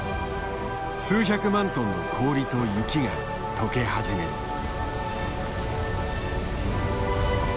数百万トンの氷と雪がとけ始める。